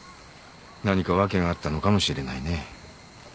何か訳があったのかもしれないね。